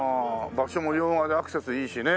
場所も用賀でアクセスいいしね。